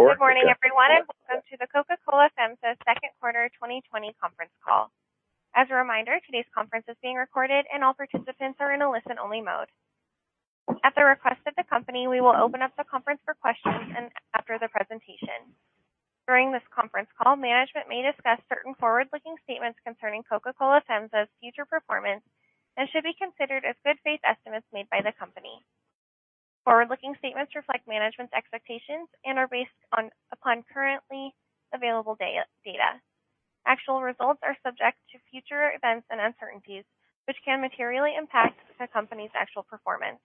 Good morning, everyone, and welcome to the Coca-Cola FEMSA second quarter twenty twenty conference call. As a reminder, today's conference is being recorded, and all participants are in a listen-only mode. At the request of the company, we will open up the conference for questions and after the presentation. During this conference call, management may discuss certain forward-looking statements concerning Coca-Cola FEMSA's future performance and should be considered as good faith estimates made by the company. Forward-looking statements reflect management's expectations and are based upon currently available data. Actual results are subject to future events and uncertainties, which can materially impact the company's actual performance.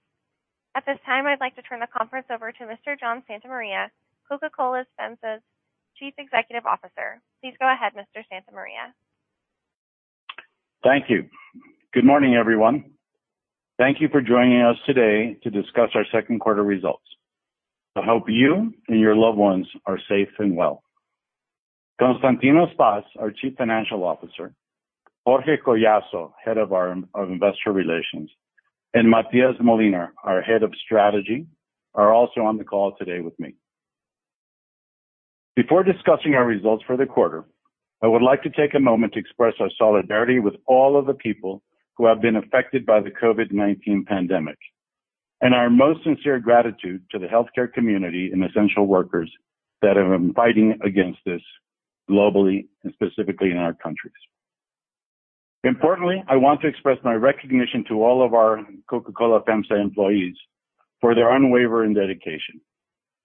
At this time, I'd like to turn the conference over to Mr. John Santa Maria, Coca-Cola FEMSA's Chief Executive Officer. Please go ahead, Mr. Santa Maria. Thank you. Good morning, everyone. Thank you for joining us today to discuss our second quarter results. I hope you and your loved ones are safe and well. Constantino Spas, our Chief Financial Officer, Jorge Collazo, Head of our, of Investor Relations, and Matias Molina, our Head of Strategy, are also on the call today with me. Before discussing our results for the quarter, I would like to take a moment to express our solidarity with all of the people who have been affected by the COVID-19 pandemic, and our most sincere gratitude to the healthcare community and essential workers that have been fighting against this globally and specifically in our countries. Importantly, I want to express my recognition to all of our Coca-Cola FEMSA employees for their unwavering dedication.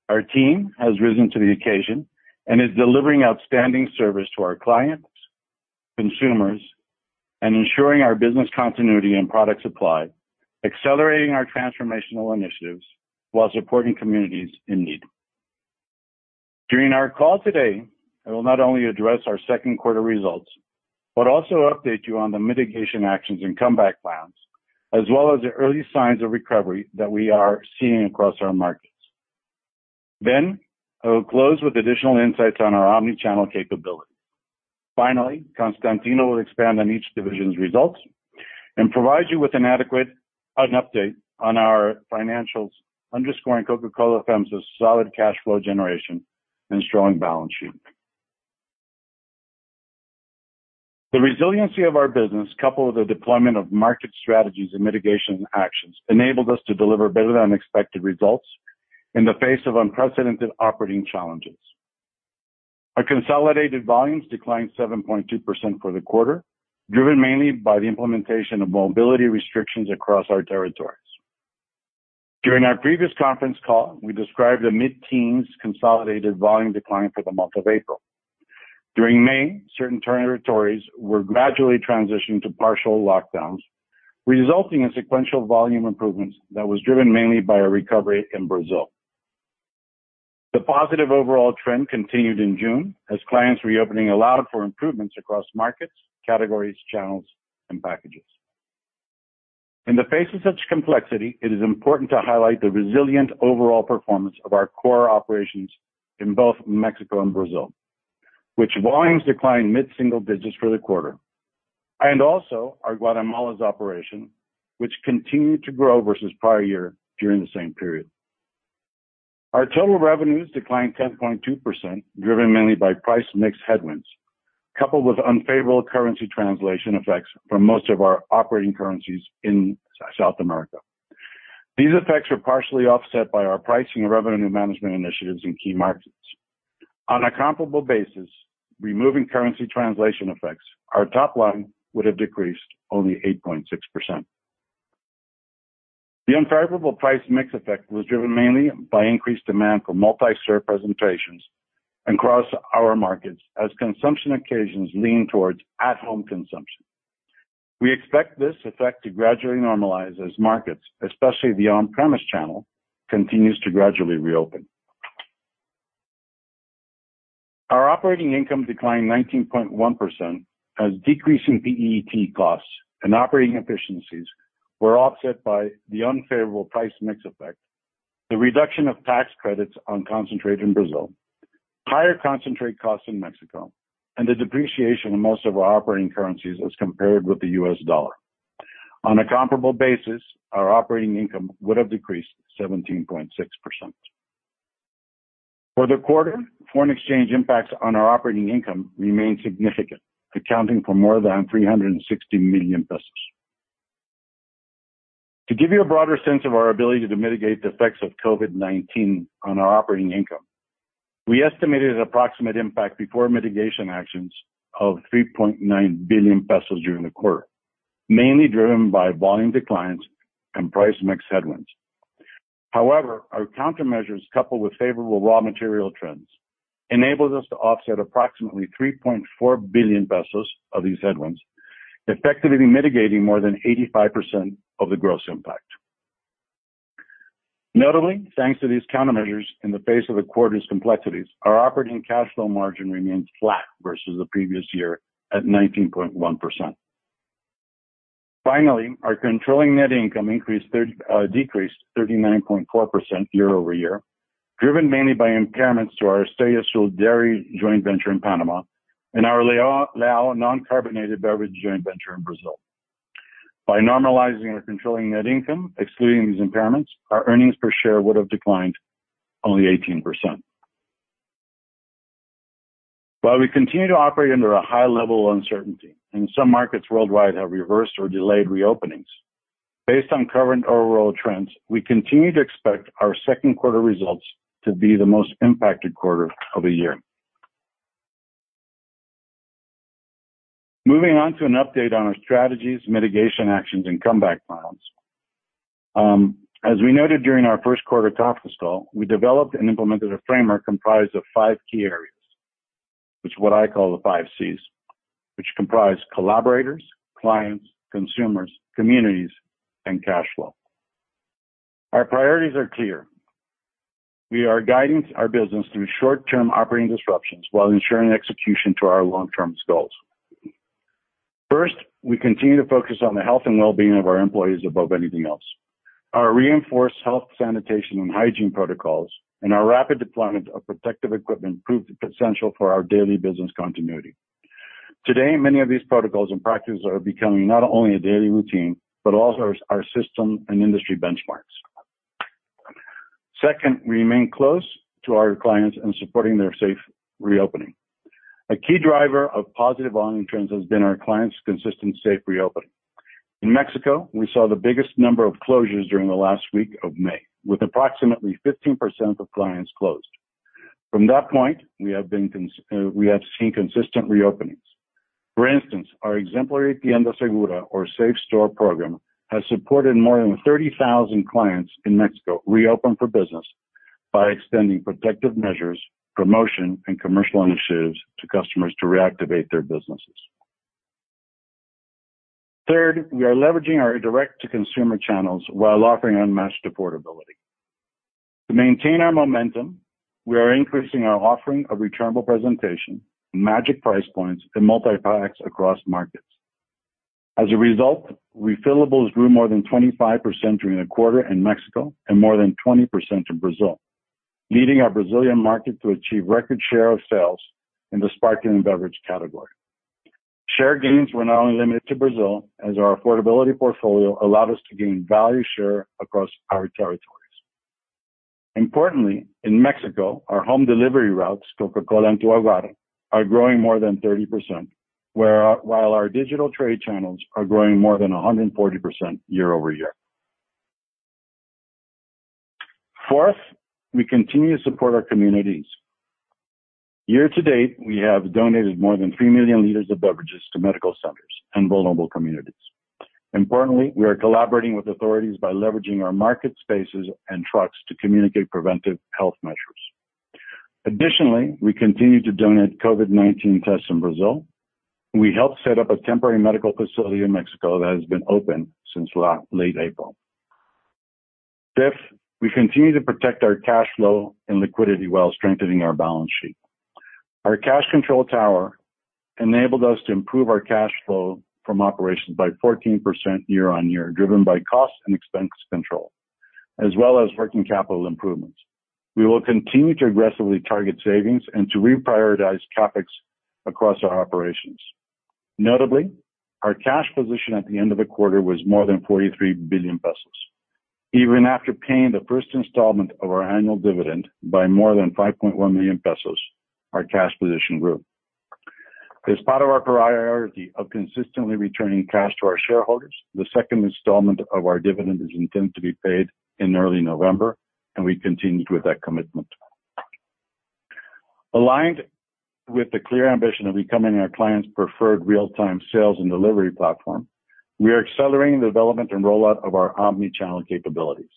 Our team has risen to the occasion and is delivering outstanding service to our clients, consumers, and ensuring our business continuity and product supply, accelerating our transformational initiatives while supporting communities in need. During our call today, I will not only address our second quarter results, but also update you on the mitigation actions and comeback plans, as well as the early signs of recovery that we are seeing across our markets. Then, I will close with additional insights on our omni-channel capability. Finally, Constantino will expand on each division's results and provide you with an adequate update on our financials, underscoring Coca-Cola FEMSA's solid cash flow generation and strong balance sheet. The resiliency of our business, coupled with the deployment of market strategies and mitigation actions, enabled us to deliver better than expected results in the face of unprecedented operating challenges. Our consolidated volumes declined 7.2% for the quarter, driven mainly by the implementation of mobility restrictions across our territories. During our previous conference call, we described a mid-teens consolidated volume decline for the month of April. During May, certain territories were gradually transitioned to partial lockdowns, resulting in sequential volume improvements that was driven mainly by a recovery in Brazil. The positive overall trend continued in June, as clients reopening allowed for improvements across markets, categories, channels, and packages. In the face of such complexity, it is important to highlight the resilient overall performance of our core operations in both Mexico and Brazil, which volumes declined mid-single digits for the quarter, and also our Guatemala's operation, which continued to grow versus prior year during the same period. Our total revenues declined 10.2%, driven mainly by price mix headwinds, coupled with unfavorable currency translation effects from most of our operating currencies in South America. These effects were partially offset by our pricing and revenue management initiatives in key markets. On a comparable basis, removing currency translation effects, our top line would have decreased only 8.6%. The unfavorable price mix effect was driven mainly by increased demand for multi-serve presentations across our markets as consumption occasions lean towards at-home consumption. We expect this effect to gradually normalize as markets, especially the on-premise channel, continues to gradually reopen. Our operating income declined 19.1%, as decreasing PET costs and operating efficiencies were offset by the unfavorable price mix effect, the reduction of tax credits on concentrate in Brazil, higher concentrate costs in Mexico, and the depreciation in most of our operating currencies as compared with the U.S. dollar. On a comparable basis, our operating income would have decreased 17.6%. For the quarter, foreign exchange impacts on our operating income remained significant, accounting for more than 360 million pesos. To give you a broader sense of our ability to mitigate the effects of COVID-19 on our operating income, we estimated an approximate impact before mitigation actions of 3.9 billion pesos during the quarter, mainly driven by volume declines and price mix headwinds. However, our countermeasures, coupled with favorable raw material trends, enabled us to offset approximately 3.4 billion pesos of these headwinds, effectively mitigating more than 85% of the gross impact. Notably, thanks to these countermeasures, in the face of the quarter's complexities, our operating cash flow margin remained flat versus the previous year, at 19.1%. Finally, our controlling net income decreased 39.4% year over year, driven mainly by impairments to our Estrella Azul dairy joint venture in Panama and our Leão non-carbonated beverage joint venture in Brazil. By normalizing or controlling net income, excluding these impairments, our earnings per share would have declined only 18%. While we continue to operate under a high level of uncertainty, and some markets worldwide have reversed or delayed reopenings, based on current overall trends, we continue to expect our second quarter results to be the most impacted quarter of the year. Moving on to an update on our strategies, mitigation actions, and comeback plans. As we noted during our first quarter conference call, we developed and implemented a framework comprised of five key areas, which what I call the five Cs, which comprise collaborators, clients, consumers, communities, and cash flow. Our priorities are clear. We are guiding our business through short-term operating disruptions while ensuring execution to our long-term goals. First, we continue to focus on the health and well-being of our employees above anything else. Our reinforced health, sanitation, and hygiene protocols, and our rapid deployment of protective equipment proved essential for our daily business continuity. Today, many of these protocols and practices are becoming not only a daily routine, but also our system and industry benchmarks. Second, we remain close to our clients in supporting their safe reopening. A key driver of positive volume trends has been our clients' consistent safe reopening. In Mexico, we saw the biggest number of closures during the last week of May, with approximately 15% of clients closed. From that point, we have seen consistent reopenings. For instance, our exemplary Tienda Segura, or Safe Store program, has supported more than 30,000 clients in Mexico reopen for business by extending protective measures, promotion, and commercial initiatives to customers to reactivate their businesses. Third, we are leveraging our direct-to-consumer channels while offering unmatched affordability. To maintain our momentum, we are increasing our offering of returnable presentation, magic price points, and multi-packs across markets. As a result, refillables grew more than 25% during the quarter in Mexico and more than 20% in Brazil, leading our Brazilian market to achieve record share of sales in the sparkling beverage category. Share gains were not only limited to Brazil, as our affordability portfolio allowed us to gain value share across our territories. Importantly, in Mexico, our home delivery routes, Coca-Cola and Tu Agua, are growing more than 30%, while our digital trade channels are growing more than 140% year over year. Fourth, we continue to support our communities. Year to date, we have donated more than 3 million liters of beverages to medical centers and vulnerable communities. Importantly, we are collaborating with authorities by leveraging our market spaces and trucks to communicate preventive health measures. Additionally, we continue to donate COVID-19 tests in Brazil. We helped set up a temporary medical facility in Mexico that has been open since late April. We continue to protect our cash flow and liquidity while strengthening our balance sheet. Our cash control tower enabled us to improve our cash flow from operations by 14% year-on-year, driven by cost and expense control, as well as working capital improvements. We will continue to aggressively target savings and to reprioritize CapEx across our operations. Notably, our cash position at the end of the quarter was more than 43 billion pesos. Even after paying the first installment of our annual dividend by more than 5.1 million pesos, our cash position grew. As part of our priority of consistently returning cash to our shareholders, the second installment of our dividend is intended to be paid in early November, and we continued with that commitment. Aligned with the clear ambition of becoming our clients' preferred real-time sales and delivery platform, we are accelerating the development and rollout of our omni-channel capabilities.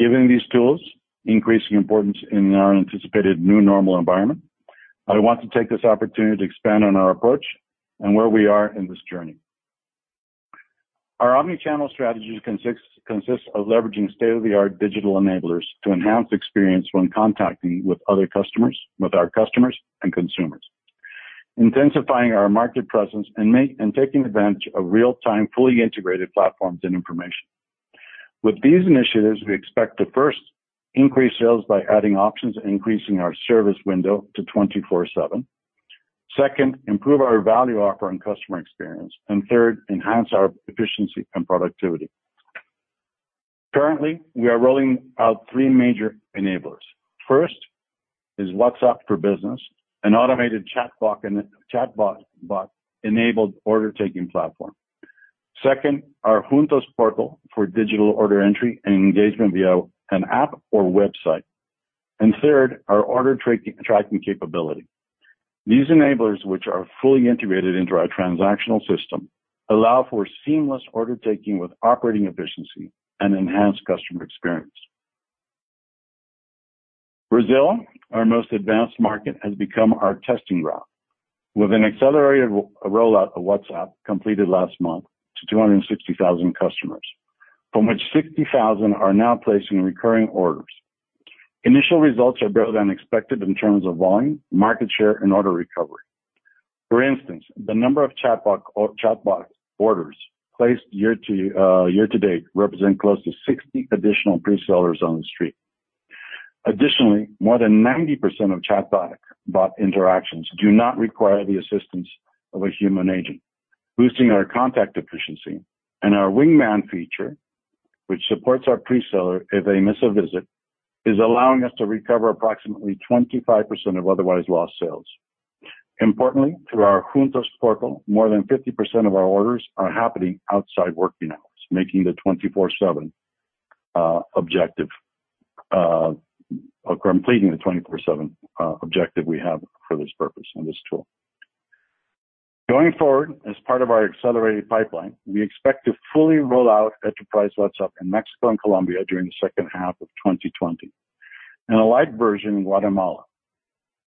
Given these tools' increasing importance in our anticipated new normal environment, I want to take this opportunity to expand on our approach and where we are in this journey. Our omni-channel strategy consists of leveraging state-of-the-art digital enablers to enhance experience when contacting with other customers, with our customers and consumers, intensifying our market presence and taking advantage of real-time, fully integrated platforms and information. With these initiatives, we expect to, first, increase sales by adding options and increasing our service window to 24/7. Second, improve our value offer and customer experience. And third, enhance our efficiency and productivity. Currently, we are rolling out three major enablers. First is WhatsApp for Business, an automated chatbot-enabled order-taking platform. Second, our Juntos portal for digital order entry and engagement via an app or website. And third, our order tracking capability. These enablers, which are fully integrated into our transactional system, allow for seamless order taking with operating efficiency and enhanced customer experience. Brazil, our most advanced market, has become our testing ground, with an accelerated rollout of WhatsApp completed last month to 260,000 customers, from which 60,000 are now placing recurring orders. Initial results are better than expected in terms of volume, market share, and order recovery. For instance, the number of chatbot, or chatbots orders placed year to date represent close to 60 additional pre-sellers on the street. Additionally, more than 90% of chatbot bot interactions do not require the assistance of a human agent, boosting our contact efficiency. Our Wingman feature, which supports our pre-seller if they miss a visit, is allowing us to recover approximately 25% of otherwise lost sales. Importantly, through our Juntos portal, more than 50% of our orders are happening outside working hours, making the twenty-four-seven objective, or completing the twenty-four-seven objective we have for this purpose and this tool. Going forward, as part of our accelerated pipeline, we expect to fully roll out Enterprise WhatsApp in Mexico and Colombia during the second half of 2020, and a light version in Guatemala.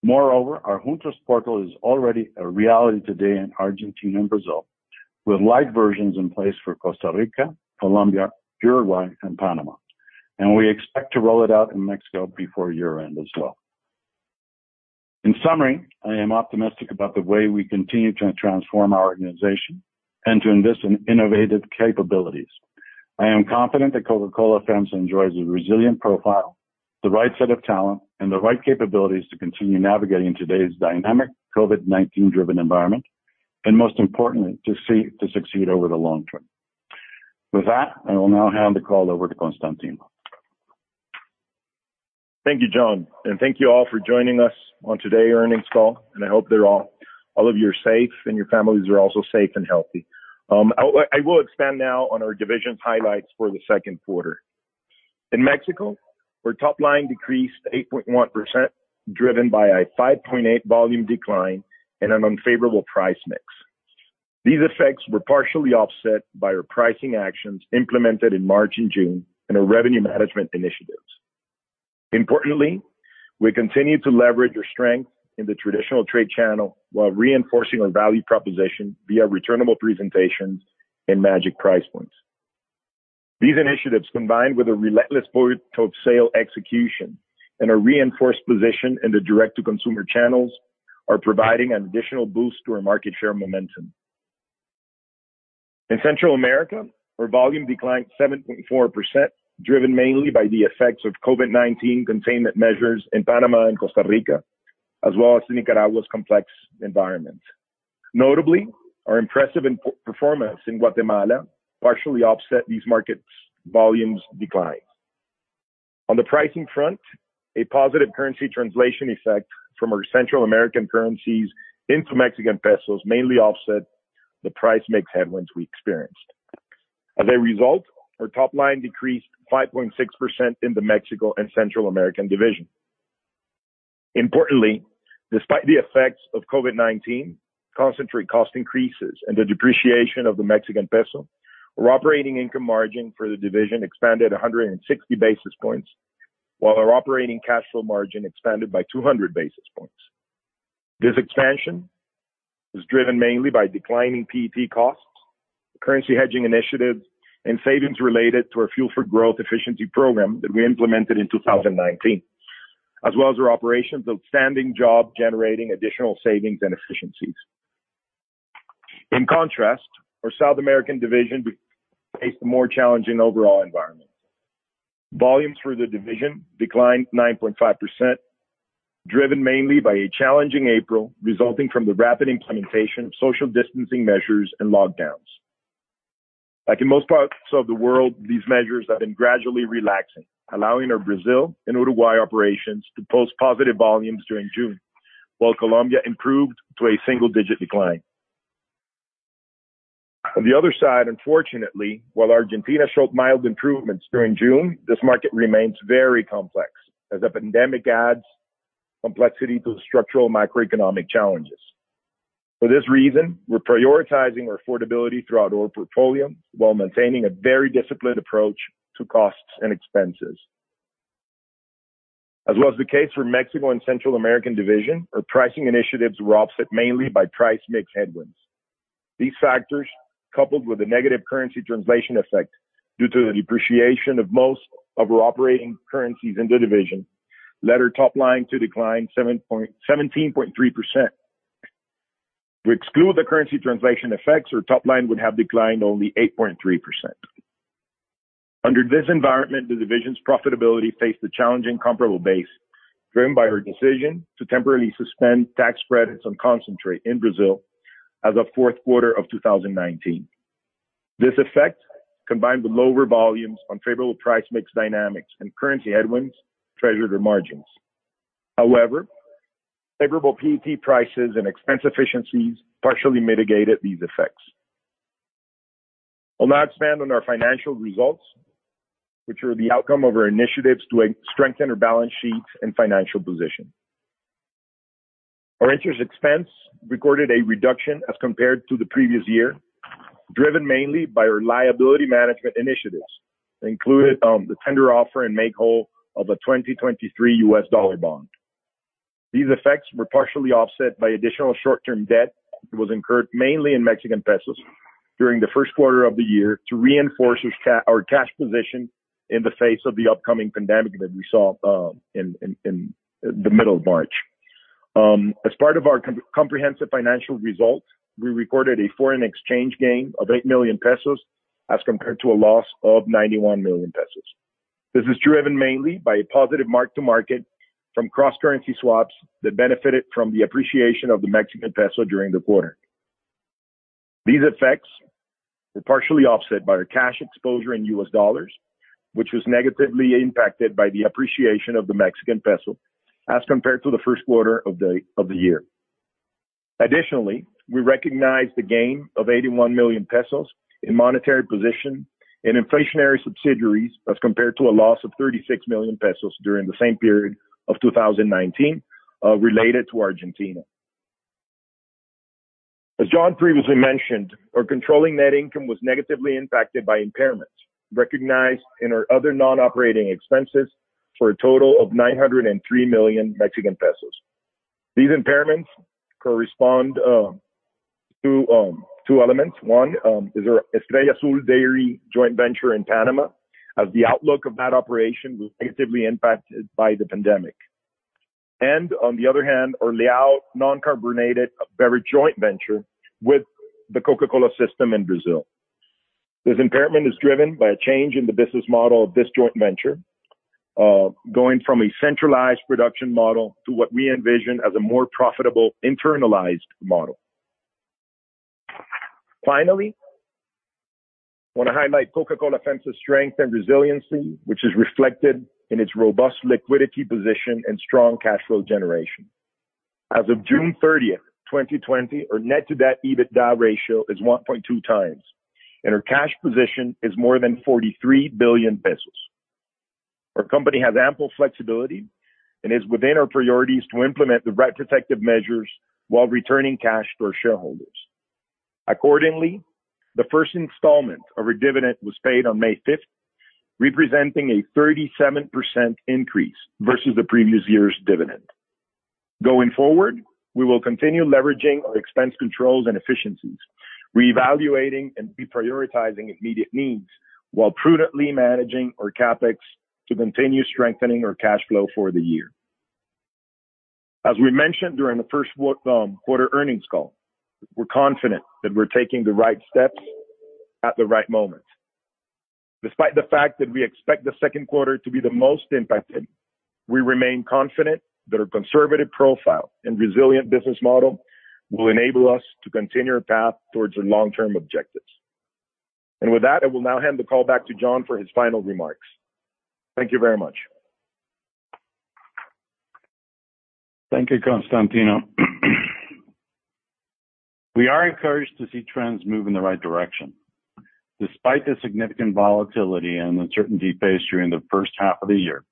Moreover, our Juntos portal is already a reality today in Argentina and Brazil, with light versions in place for Costa Rica, Colombia, Uruguay, and Panama, and we expect to roll it out in Mexico before year-end as well. In summary, I am optimistic about the way we continue to transform our organization and to invest in innovative capabilities. I am confident that Coca-Cola FEMSA enjoys a resilient profile, the right set of talent, and the right capabilities to continue navigating today's dynamic COVID-19 driven environment, and most importantly, to succeed over the long term. With that, I will now hand the call over to Constantino. Thank you, John, and thank you all for joining us on today's earnings call, and I hope that all of you are safe and your families are also safe and healthy. I will expand now on our division's highlights for the second quarter. In Mexico, our top line decreased 8.1%, driven by a 5.8 volume decline and an unfavorable price mix. These effects were partially offset by our pricing actions implemented in March and June, and our revenue management initiatives. Importantly, we continue to leverage our strength in the traditional trade channel while reinforcing our value proposition via returnable presentations and magic price points. These initiatives, combined with a relentless point of sale execution and a reinforced position in the direct-to-consumer channels, are providing an additional boost to our market share momentum. In Central America, our volume declined 7.4%, driven mainly by the effects of COVID-19 containment measures in Panama and Costa Rica, as well as Nicaragua's complex environment. Notably, our impressive performance in Guatemala partially offset these markets' volume declines. On the pricing front, a positive currency translation effect from our Central American currencies into Mexican pesos mainly offset the price mix headwinds we experienced. As a result, our top line decreased 5.6% in the Mexico and Central American division. Importantly, despite the effects of COVID-19, concentrate cost increases and the depreciation of the Mexican peso, our operating income margin for the division expanded 160 basis points, while our operating cash flow margin expanded by 200 basis points. This expansion is driven mainly by declining PET costs, currency hedging initiatives, and savings related to our Fuel for Growth efficiency program that we implemented in 2019, as well as our operations' outstanding job, generating additional savings and efficiencies. In contrast, our South American division faced a more challenging overall environment. Volumes through the division declined 9.5%, driven mainly by a challenging April, resulting from the rapid implementation of social distancing measures and lockdowns. Like in most parts of the world, these measures have been gradually relaxing, allowing our Brazil and Uruguay operations to post positive volumes during June, while Colombia improved to a single digit decline. On the other side, unfortunately, while Argentina showed mild improvements during June, this market remains very complex as the pandemic adds complexity to the structural macroeconomic challenges. For this reason, we're prioritizing our affordability throughout our portfolio, while maintaining a very disciplined approach to costs and expenses. As was the case for Mexico and Central America Division, our pricing initiatives were offset mainly by price mix headwinds. These factors, coupled with a negative currency translation effect, due to the depreciation of most of our operating currencies in the division, led our top line to decline 17.3%. If we exclude the currency translation effects, our top line would have declined only 8.3%. Under this environment, the division's profitability faced a challenging comparable base, driven by our decision to temporarily suspend tax credits on concentrate in Brazil as of fourth quarter of 2019. This effect, combined with lower volumes, unfavorable price mix dynamics, and currency headwinds, pressured our margins. However, favorable PET prices and expense efficiencies partially mitigated these effects. I'll now expand on our financial results, which are the outcome of our initiatives to strengthen our balance sheets and financial position. Our interest expense recorded a reduction as compared to the previous year, driven mainly by our liability management initiatives, including the tender offer and make whole of a 2023 US dollar bond. These effects were partially offset by additional short-term debt that was incurred mainly in Mexican pesos during the first quarter of the year, to reinforce our cash position in the face of the upcoming pandemic that we saw in the middle of March. As part of our comprehensive financial results, we recorded a foreign exchange gain of 8 million pesos, as compared to a loss of 91 million pesos. This is driven mainly by a positive mark to market from cross-currency swaps that benefited from the appreciation of the Mexican peso during the quarter. These effects were partially offset by our cash exposure in US dollars, which was negatively impacted by the appreciation of the Mexican peso, as compared to the first quarter of the year. Additionally, we recognized a gain of 81 million pesos in monetary position and inflationary subsidiaries, as compared to a loss of 36 million pesos during the same period of 2019, related to Argentina. As John previously mentioned, our controlling net income was negatively impacted by impairments recognized in our other non-operating expenses for a total of 903 million Mexican pesos. These impairments correspond to two elements. One is our Estrella Azul dairy joint venture in Panama, as the outlook of that operation was negatively impacted by the pandemic. And on the other hand, our Leão non-carbonated beverage joint venture with the Coca-Cola system in Brazil. This impairment is driven by a change in the business model of this joint venture, going from a centralized production model to what we envision as a more profitable internalized model. Finally, I wanna highlight Coca-Cola FEMSA's strength and resiliency, which is reflected in its robust liquidity position and strong cash flow generation. As of June thirtieth, twenty twenty, our net-to-debt EBITDA ratio is 1.2 times, and our cash position is more than 43 billion pesos. Our company has ample flexibility and is within our priorities to implement the right protective measures while returning cash to our shareholders. Accordingly, the first installment of our dividend was paid on May fifth, representing a 37% increase versus the previous year's dividend. Going forward, we will continue leveraging our expense controls and efficiencies, reevaluating and reprioritizing immediate needs, while prudently managing our CapEx to continue strengthening our cash flow for the year. As we mentioned during the first quarter earnings call, we're confident that we're taking the right steps at the right moment. Despite the fact that we expect the second quarter to be the most impacted, we remain confident that our conservative profile and resilient business model will enable us to continue our path towards our long-term objectives. And with that, I will now hand the call back to John for his final remarks. Thank you very much. Thank you, Constantino. We are encouraged to see trends move in the right direction. Despite the significant volatility and uncertainty faced during the first half of the year,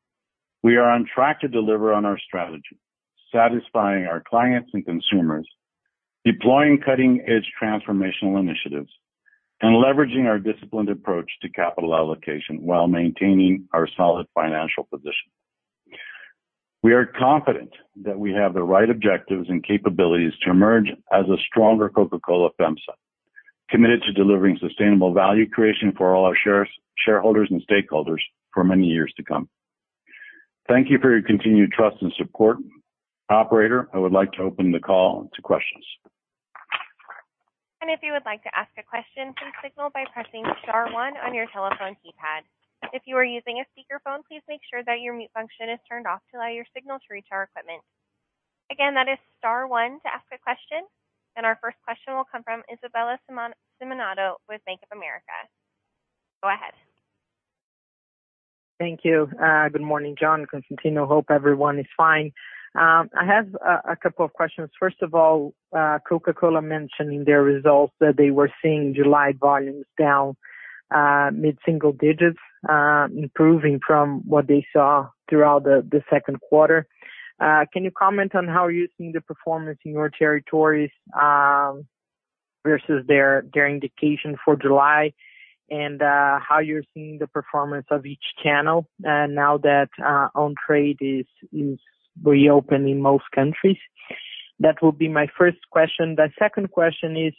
we are on track to deliver on our strategy, satisfying our clients and consumers, deploying cutting-edge transformational initiatives, and leveraging our disciplined approach to capital allocation while maintaining our solid financial position. We are confident that we have the right objectives and capabilities to emerge as a stronger Coca-Cola FEMSA, committed to delivering sustainable value creation for all our shareholders and stakeholders for many years to come. Thank you for your continued trust and support. Operator, I would like to open the call to questions. If you would like to ask a question, please signal by pressing star one on your telephone keypad. If you are using a speakerphone, please make sure that your mute function is turned off to allow your signal to reach our equipment. Again, that is star one to ask a question, and our first question will come from Isabella Simonato with Bank of America. Go ahead. Thank you. Good morning, John and Constantino. Hope everyone is fine. I have a couple of questions. First of all, Coca-Cola mentioning their results, that they were seeing July volumes down mid-single digits, improving from what they saw throughout the second quarter. Can you comment on how you're seeing the performance in your territories versus their indication for July, and how you're seeing the performance of each channel now that on-trade is reopened in most countries? That will be my first question. The second question is,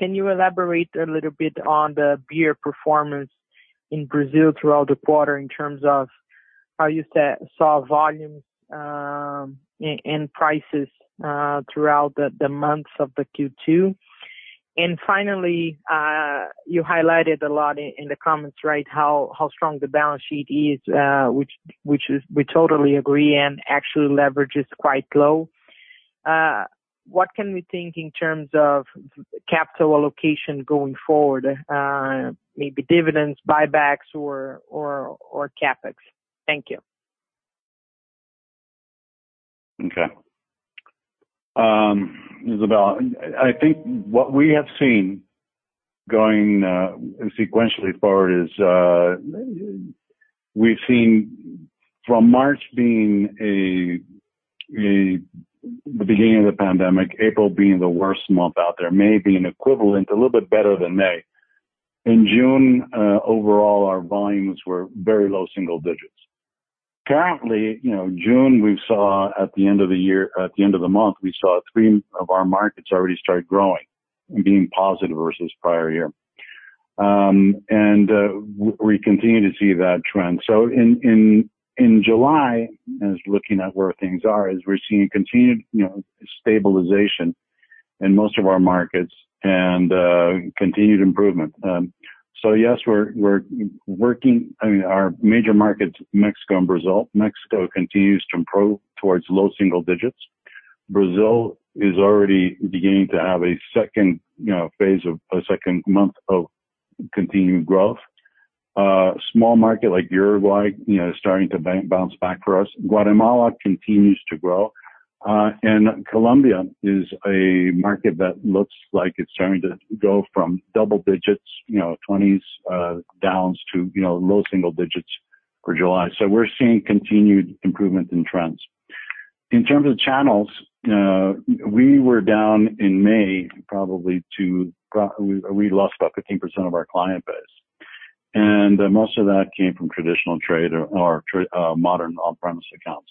can you elaborate a little bit on the beer performance in Brazil throughout the quarter, in terms of how you saw volumes and prices throughout the months of the Q2? Finally, you highlighted a lot in the comments, right, how strong the balance sheet is, which we totally agree, and actually leverage is quite low. What can we think in terms of capital allocation going forward? Maybe dividends, buybacks or CapEx. Thank you. Okay. Isabella, I think what we have seen going and sequentially forward is we've seen from March being the beginning of the pandemic, April being the worst month out there, May being equivalent, a little bit better than May. In June, overall, our volumes were very low single digits. Currently, June, we saw at the end of the month, we saw three of our markets already start growing and being positive versus prior year. We continue to see that trend. So in July, as looking at where things are, is we're seeing continued stabilization in most of our markets and continued improvement. So yes, we're working. I mean, our major markets, Mexico and Brazil. Mexico continues to improve towards low single digits. Brazil is already beginning to have a second, you know, phase of a second month of continued growth. Small market like Uruguay, you know, starting to bounce back for us. Guatemala continues to grow, and Colombia is a market that looks like it's starting to go from double digits, you know, twenties, down to, you know, low single digits for July. So we're seeing continued improvement in trends. In terms of channels, we were down in May, probably we lost about 15% of our client base, and most of that came from traditional trade or modern on-premise accounts.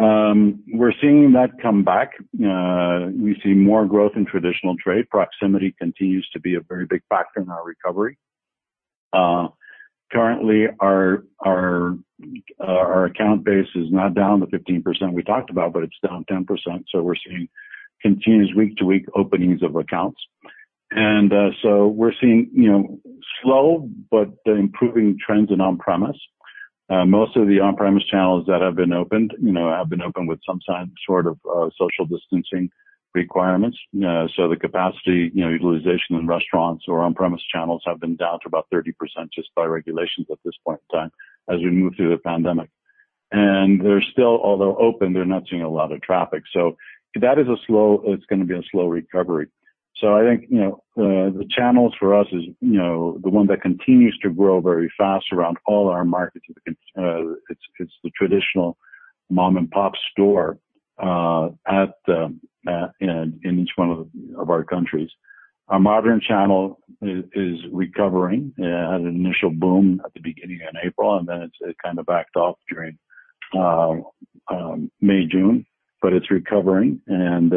We're seeing that come back. We see more growth in traditional trade. Proximity continues to be a very big factor in our recovery. Currently, our account base is not down the 15% we talked about, but it's down 10%, so we're seeing continuous week-to-week openings of accounts. So we're seeing, you know, slow but improving trends in on-premise. Most of the on-premise channels that have been opened, you know, have been opened with some kind, sort of, social distancing requirements. So the capacity, you know, utilization in restaurants or on-premise channels have been down to about 30% just by regulations at this point in time, as we move through the pandemic. And they're still... although open, they're not seeing a lot of traffic. So that is a slow, it's gonna be a slow recovery. So I think, you know, the channels for us is, you know, the one that continues to grow very fast around all our markets, it's the traditional mom-and-pop store, in each one of our countries. Our modern channel is recovering. Had an initial boom at the beginning in April, and then it kind of backed off during May, June, but it's recovering. And,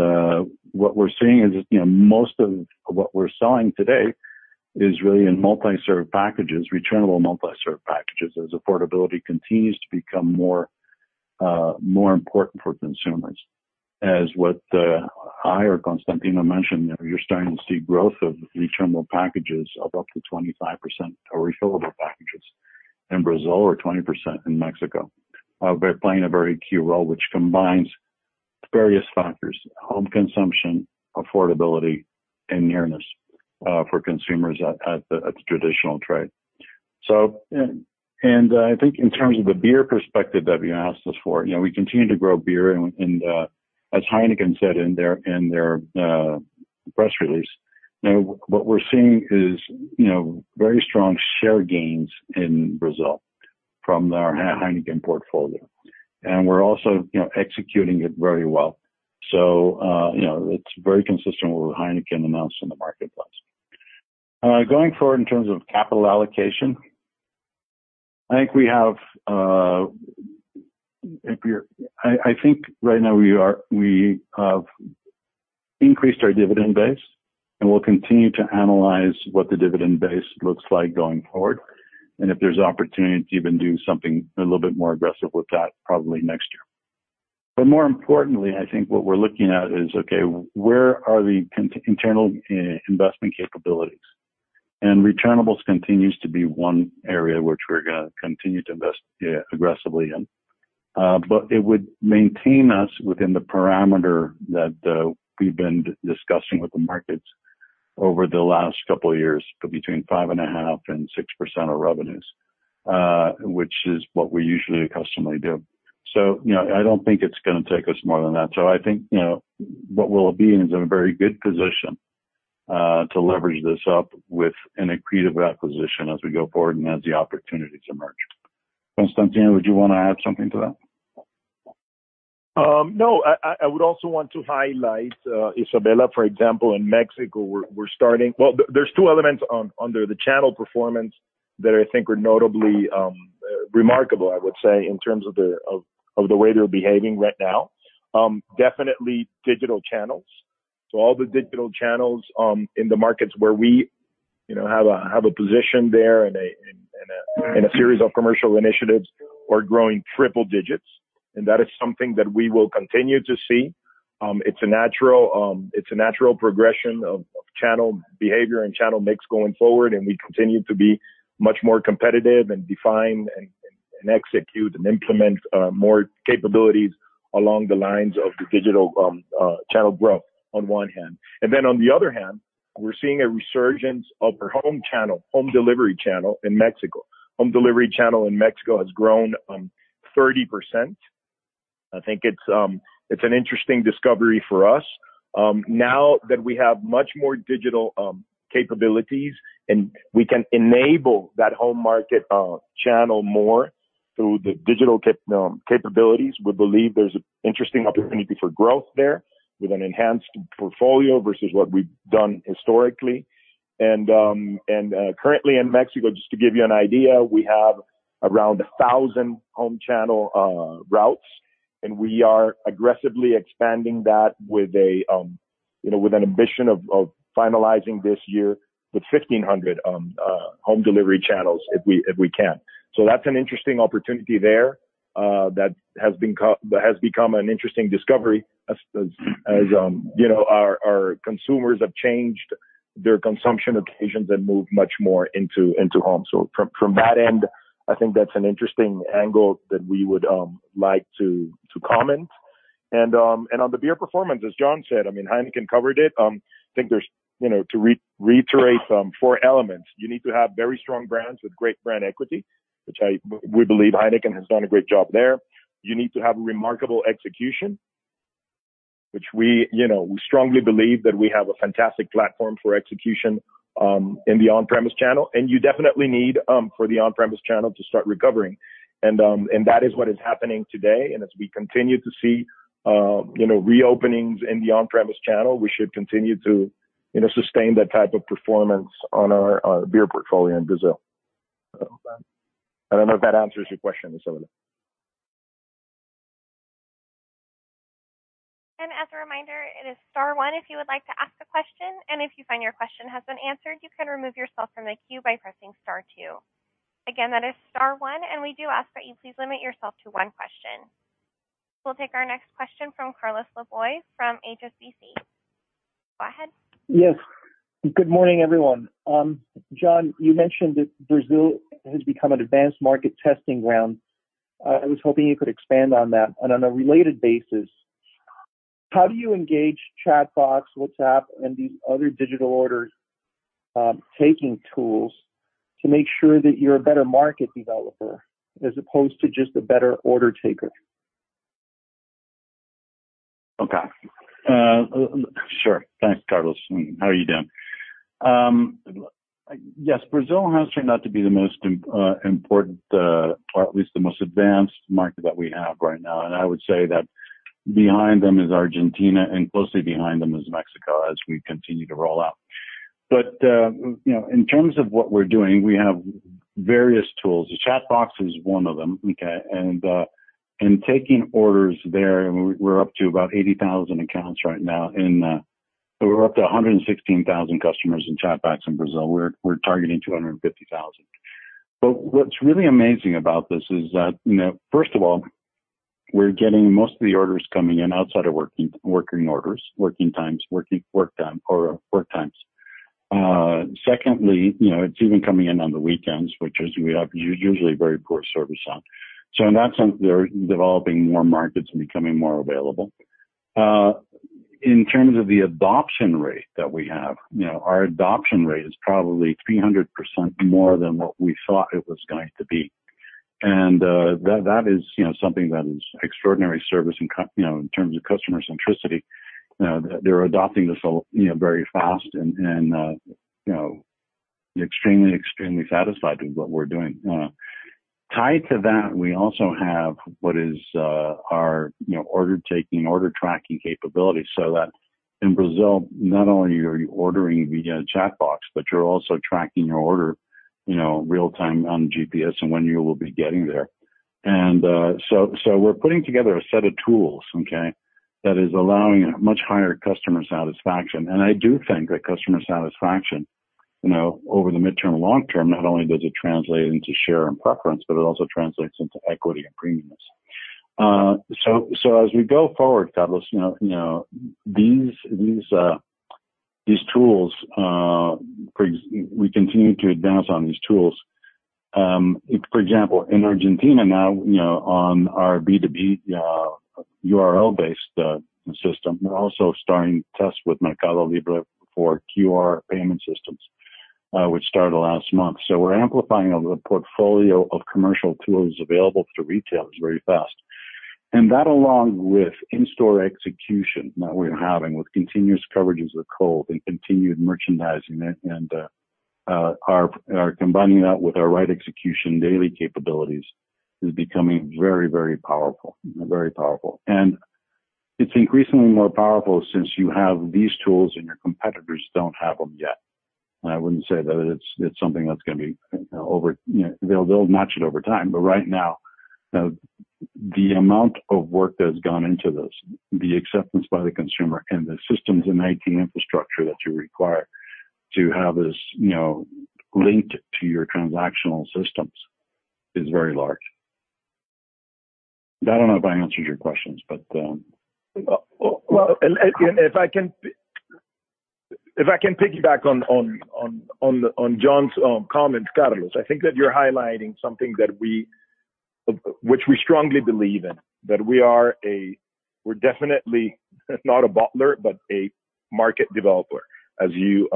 what we're seeing is, you know, most of what we're selling today is really in multi-serve packages, returnable multi-serve packages, as affordability continues to become more, more important for consumers. As what I or Constantino mentioned, you're starting to see growth of returnable packages of up to 25% or refillable packages in Brazil, or 20% in Mexico. They're playing a very key role, which combines various factors, home consumption, affordability, and nearness for consumers at the traditional trade. I think in terms of the beer perspective that you asked us for, you know, we continue to grow beer, and as Heineken said in their press release, you know, what we're seeing is, you know, very strong share gains in Brazil from our Heineken portfolio. And we're also, you know, executing it very well. You know, it's very consistent with what Heineken announced in the marketplace. Going forward in terms of capital allocation, I think we have, if we're... I think right now we have increased our dividend base, and we'll continue to analyze what the dividend base looks like going forward, and if there's opportunity to even do something a little bit more aggressive with that, probably next year. But more importantly, I think what we're looking at is, okay, where are the internal investment capabilities? And returnables continues to be one area which we're gonna continue to invest aggressively in. But it would maintain us within the parameter that, we've been discussing with the markets over the last couple of years, between five and a half and six% of revenues, which is what we usually accustomed do. So, you know, I don't think it's gonna take us more than that. I think, you know, what we'll be in, is in a very good position, to leverage this up with an accretive acquisition as we go forward and as the opportunities emerge. Constantino, would you wanna add something to that? No, I would also want to highlight, Isabella, for example, in Mexico. Well, there's two elements under the channel performance that I think are notably remarkable, I would say, in terms of the way they're behaving right now. Definitely digital channels. So all the digital channels in the markets where we, you know, have a position there and a series of commercial initiatives are growing triple digits, and that is something that we will continue to see. It's a natural progression of channel behavior and channel mix going forward, and we continue to be much more competitive and define and execute and implement more capabilities along the lines of the digital channel growth, on one hand. And then, on the other hand, we're seeing a resurgence of our home channel, home delivery channel in Mexico. Home delivery channel in Mexico has grown 30%. I think it's an interesting discovery for us. Now that we have much more digital capabilities, and we can enable that home market channel more through the digital capabilities, we believe there's an interesting opportunity for growth there with an enhanced portfolio versus what we've done historically. And, and, currently in Mexico, just to give you an idea, we have around 1,000 home channel routes, and we are aggressively expanding that with you know, with an ambition of finalizing this year with 1,500 home delivery channels, if we can. So that's an interesting opportunity there, that has become an interesting discovery as you know, our consumers have changed their consumption occasions and moved much more into home. So from that end, I think that's an interesting angle that we would like to comment. And on the beer performance, as John said, I mean, Heineken covered it. I think there's, you know, to reiterate, four elements. You need to have very strong brands with great brand equity, which we believe Heineken has done a great job there. You need to have remarkable execution, which we, you know, we strongly believe that we have a fantastic platform for execution in the on-premise channel. And you definitely need for the on-premise channel to start recovering. That is what is happening today. As we continue to see, you know, reopenings in the on-premise channel, we should continue to, you know, sustain that type of performance on our beer portfolio in Brazil. I don't know if that answers your question, Isabella. As a reminder, it is star one, if you would like to ask a question, and if you find your question has been answered, you can remove yourself from the queue by pressing star two. Again, that is star one, and we do ask that you please limit yourself to one question. We'll take our next question from Carlos Laboy, from HSBC. Go ahead. Yes. Good morning, everyone. John, you mentioned that Brazil has become an advanced market testing ground. I was hoping you could expand on that. And on a related basis, how do you engage chatbot, WhatsApp, and these other digital order taking tools to make sure that you're a better market developer as opposed to just a better order taker? Okay. Sure. Thanks, Carlos. How are you doing? Yes, Brazil has turned out to be the most important, or at least the most advanced market that we have right now. I would say that behind them is Argentina, and closely behind them is Mexico, as we continue to roll out. You know, in terms of what we're doing, we have various tools. The chatbot is one of them, okay? In taking orders there, we're up to 116,000 customers in chatbot in Brazil. We're targeting 250,000. But what's really amazing about this is that, you know, first of all, we're getting most of the orders coming in outside of working times or work times. Secondly, you know, it's even coming in on the weekends, which we have usually very poor service on. So in that sense, they're developing more markets and becoming more available. In terms of the adoption rate that we have, you know, our adoption rate is probably 300% more than what we thought it was going to be. And that is, you know, something that is extraordinary service, you know, in terms of customer centricity. They're adopting this, you know, very fast and, you know, extremely satisfied with what we're doing. Tied to that, we also have what is our order taking, order tracking capability. So that in Brazil, not only are you ordering via chatbot, but you're also tracking your order, you know, real time on GPS and when you will be getting there. And so we're putting together a set of tools, okay? That is allowing a much higher customer satisfaction. And I do think that customer satisfaction, you know, over the midterm and long term, not only does it translate into share and preference, but it also translates into equity and premiumness. So as we go forward, Carlos, you know, these tools, we continue to advance on these tools. For example, in Argentina now, you know, on our B2B URL-based system, we're also starting tests with Mercado Libre for QR payment systems, which started last month. So we're amplifying the portfolio of commercial tools available to retailers very fast. And that, along with in-store execution that we're having with continuous coverages of cold and continued merchandising and are combining that with our right execution daily capabilities, is becoming very, very powerful. Very powerful. And it's increasingly more powerful since you have these tools and your competitors don't have them yet. I wouldn't say that it's something that's gonna be over... You know, they'll match it over time, but right now, the amount of work that has gone into this, the acceptance by the consumer and the systems and IT infrastructure that you require to have this, you know, linked to your transactional systems, is very large. I don't know if I answered your questions, but. And if I can piggyback on John's comments, Carlos, I think that you're highlighting something that we which we strongly believe in. That we are we're definitely not a bottler, but a market developer, as you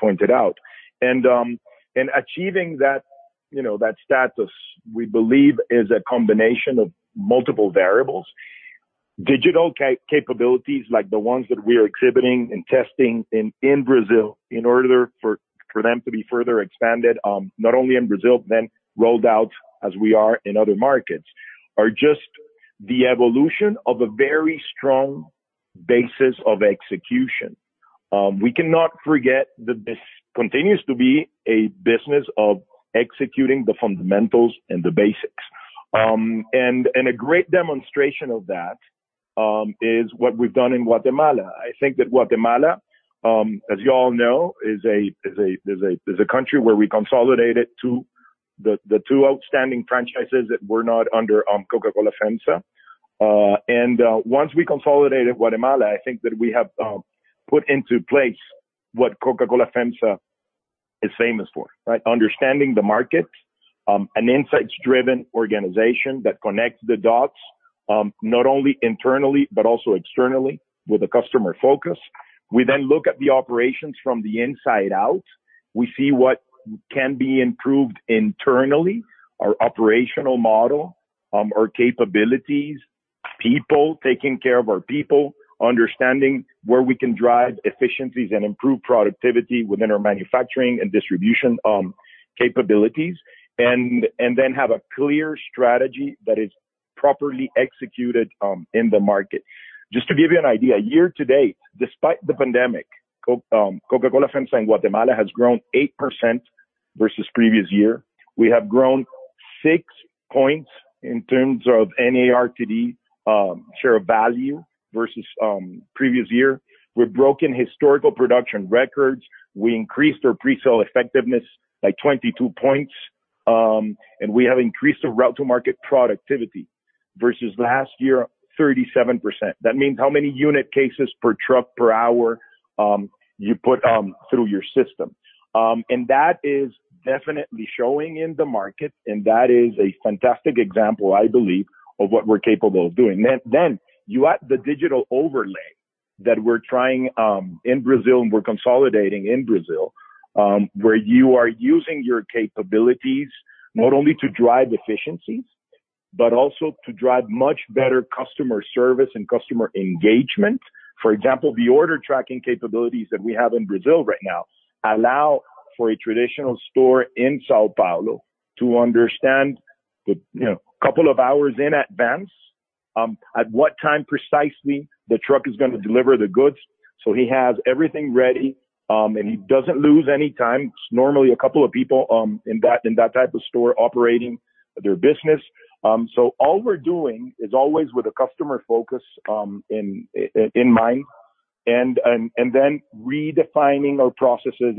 pointed out. And achieving that, you know, that status, we believe is a combination of multiple variables. Digital capabilities, like the ones that we are exhibiting and testing in Brazil, in order for them to be further expanded, not only in Brazil, then rolled out as we are in other markets, are just the evolution of a very strong basis of execution. We cannot forget that this continues to be a business of executing the fundamentals and the basics. A great demonstration of that is what we've done in Guatemala. I think that Guatemala, as you all know, is a country where we consolidated the two outstanding franchises that were not under Coca-Cola FEMSA. Once we consolidated Guatemala, I think that we have put into place what Coca-Cola FEMSA is famous for, right? Understanding the market, an insights-driven organization that connects the dots, not only internally, but also externally with a customer focus. We then look at the operations from the inside out. We see what can be improved internally, our operational model, our capabilities, people, taking care of our people, understanding where we can drive efficiencies and improve productivity within our manufacturing and distribution, capabilities, and, and then have a clear strategy that is properly executed, in the market. Just to give you an idea, year to date, despite the pandemic, Coca-Cola FEMSA in Guatemala has grown 8% versus previous year. We have grown six points in terms of NARTD, share of value versus, previous year. We've broken historical production records. We increased our pre-seller effectiveness by 22 points, and we have increased the route to market productivity versus last year, 37%. That means how many unit cases per truck per hour, you put, through your system. And that is definitely showing in the market, and that is a fantastic example, I believe, of what we're capable of doing. Then you add the digital overlay that we're trying in Brazil, and we're consolidating in Brazil, where you are using your capabilities not only to drive efficiencies, but also to drive much better customer service and customer engagement. For example, the order tracking capabilities that we have in Brazil right now allow for a traditional store in São Paulo to understand the, you know, couple of hours in advance at what time precisely the truck is gonna deliver the goods. So he has everything ready, and he doesn't lose any time. It's normally a couple of people in that type of store operating their business. So all we're doing is always with a customer focus in mind, and then redefining our processes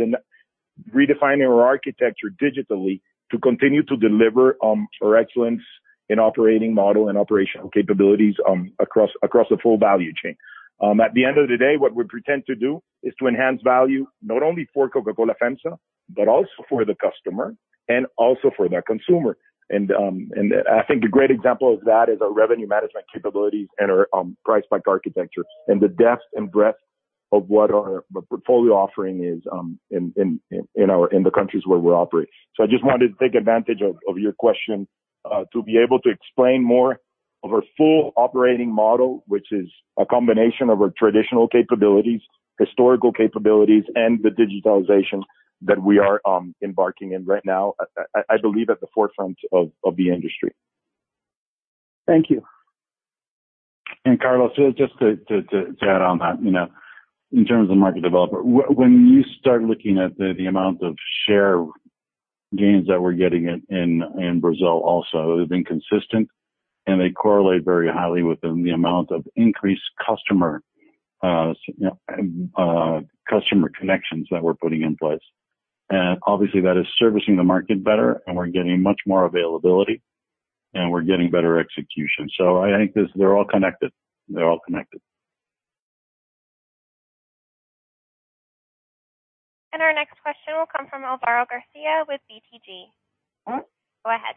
and redefining our architecture digitally to continue to deliver our excellence in operating model and operational capabilities across the full value chain. At the end of the day, what we pretend to do is to enhance value, not only for Coca-Cola FEMSA, but also for the customer and also for the consumer. I think a great example of that is our revenue management capabilities and our price-pack architecture and the depth and breadth of what our portfolio offering is in the countries where we operate. I just wanted to take advantage of your question to be able to explain more of our full operating model, which is a combination of our traditional capabilities, historical capabilities, and the digitalization that we are embarking in right now. I believe at the forefront of the industry. Thank you. And Carlos, just to add on that, you know, in terms of market development, when you start looking at the amount of share gains that we're getting at, in Brazil also, they've been consistent and they correlate very highly with the amount of increased customer, you know, customer connections that we're putting in place. And obviously that is servicing the market better, and we're getting much more availability, and we're getting better execution. So I think this, they're all connected. They're all connected. And our next question will come from Álvaro García with BTG. Go ahead.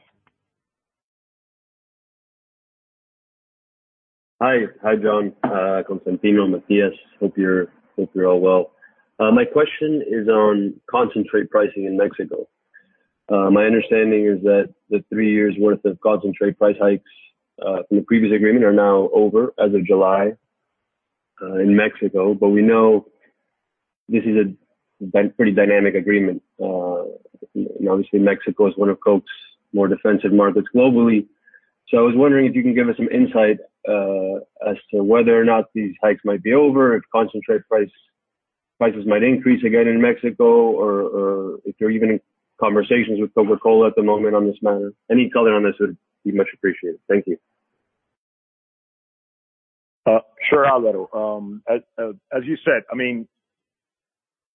Hi. Hi, John, Constantino, Matias. Hope you're all well. My question is on concentrate pricing in Mexico. My understanding is that the three years' worth of concentrate price hikes from the previous agreement are now over as of July in Mexico. But we know this is a pretty dynamic agreement. And obviously, Mexico is one of Coke's more defensive markets globally. So I was wondering if you can give us some insight as to whether or not these hikes might be over, if concentrate prices might increase again in Mexico or if you're even in conversations with Coca-Cola at the moment on this matter. Any color on this would be much appreciated. Thank you. Sure, Álvaro. As you said, I mean,